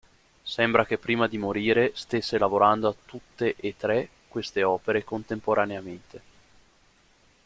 Sembra che prima di morire stesse lavorando a tutte e tre queste opere contemporaneamente.